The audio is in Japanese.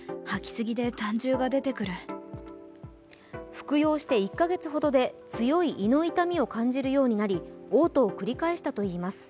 服用した１か月ほどで強い胃の痛みを感じるようになり、おう吐を繰り返したといいます。